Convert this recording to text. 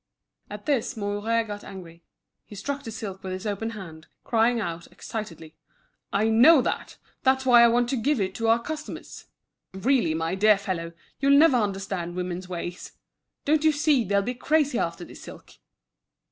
At this Mouret got angry. He struck the silk with his open hand, crying out excitedly: "I know that, that's why I want to give it to our customers. Really, my dear fellow, you'll never understand women's ways. Don't you see they'll be crazy after this silk?"